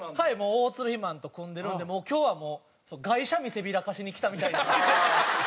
大鶴肥満と組んでるので今日はもう外車見せびらかしに来たみたいな。ハハハハ！